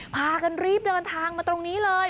พากันรีบเดินทางมาตรงนี้เลย